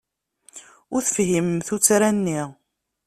Ur tefhimem tuttra-nni.